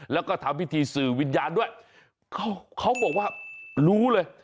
แล้วก็ทำพิธีสื่อวิญญาณด้วยเขาบอกว่ารู้เลย